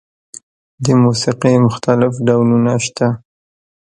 د موسیقۍ مختلف ډولونه شته.